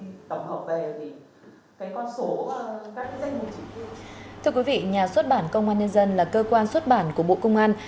thưa quý vị nhà xuất bản công an nhân dân là cơ quan xuất bản của bộ công an